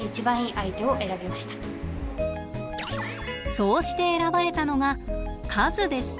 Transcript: そうして選ばれたのが和です。